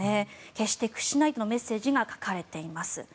決して屈しないとのメッセージが書かれています。